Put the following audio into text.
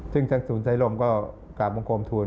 ซึ่งทั้งศูนย์สายลมก็กลับมองควมทูล